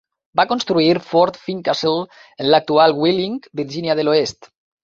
Va construir Fort Fincastle en l'actual Wheeling, Virgínia de l'Oest.